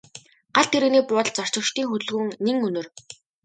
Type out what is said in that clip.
Галт тэрэгний буудалд зорчигчдын хөдөлгөөн нэн өнөр.